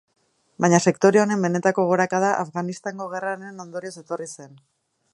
Baina sektore honen benetako gorakada Afganistango gerraren ondorioz etorri zen.